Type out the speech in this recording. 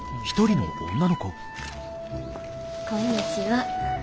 こんにちは。